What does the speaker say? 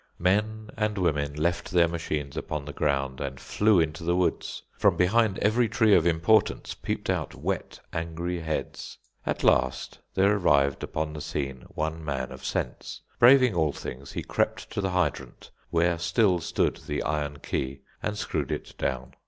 Men and women left their machines upon the ground, and flew into the woods. From behind every tree of importance peeped out wet, angry heads. At last, there arrived upon the scene one man of sense. Braving all things, he crept to the hydrant, where still stood the iron key, and screwed it down.